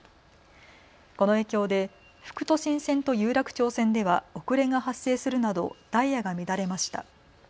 この影響で副都心線と有楽町線では遅れが発生するなどダイヤが乱れました。